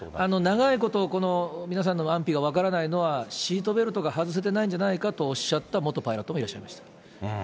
長いこと、この皆さんの安否が分からないのは、シートベルトが外せてないんじゃないかと、おっしゃった元パイロットもいらっしゃいました。